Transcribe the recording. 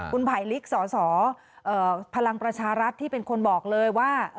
คุณไผลลิกสสพลังประชารัฐที่เป็นคนบอกเลยว่า